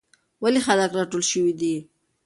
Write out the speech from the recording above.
ولې خلک راټول شوي دي؟